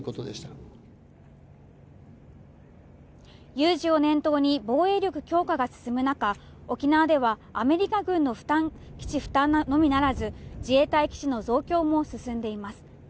有事を念頭に防衛力強化が進む中、沖縄ではアメリカ軍の基地負担のみならず、自衛隊基地の増強も進んでいます。